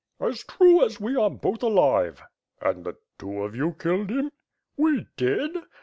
"As true as we are both alive." "And the two of you killed him?" "We did."